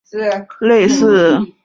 隐头三叶虫亚目类似。